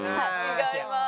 違います。